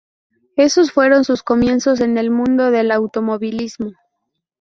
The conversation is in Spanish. Esos fueron sus comienzos en el mundo del automovilismo.